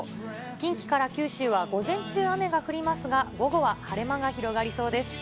近畿から九州は午前中雨が降りますが、午後は晴れ間が広がりそうです。